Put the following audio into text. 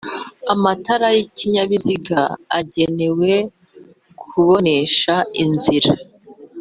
amatara y'ikinyabiziga agenewe kubonesha inzira